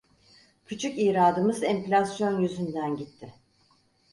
Küçük iradımız enflasyon yüzünden gitti.